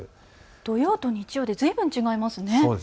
土曜と日曜でずいぶん違いますね。